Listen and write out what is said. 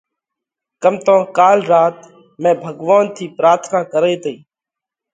ڪم تو ڪال رات، مئين ڀڳوونَ ٿِي پراٿنا ڪرئي تئي